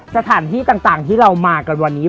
สถานที่ต่างที่เรามากันวันนี้